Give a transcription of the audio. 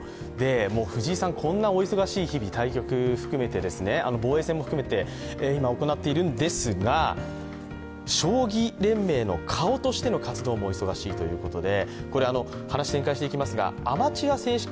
藤井さん、こんなお忙しい日々対局含めて、防衛戦も含めて、今行っているんですが将棋連盟の顔としての活動もお忙しいということで。